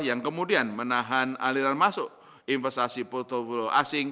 yang kemudian menahan aliran masuk investasi portfo asing